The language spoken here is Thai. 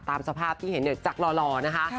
ตามสภาพที่เห็นจากหล่อนะคะ